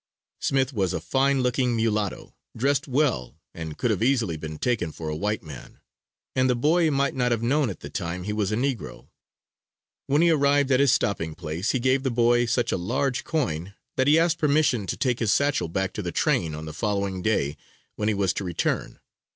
Smith was a fine looking mulatto, dressed well, and could have easily been taken for a white man, and the boy might not have known at the time he was a negro. When he arrived at his stopping place he gave the boy such a large coin that he asked permission to take his satchel back to the train on the following day when he was to return.